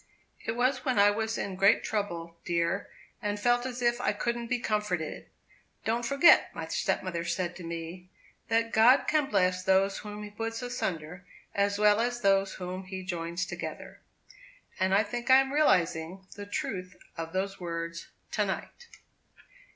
It was when I was in great trouble, dear, and felt as if I couldn't be comforted. 'Don't forget,' my stepmother said to me, 'that God can bless those whom He puts asunder as well as those whom He joins together.' And I think I'm realizing the truth of those words to night."